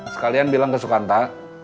sekalian bilang ke sukanta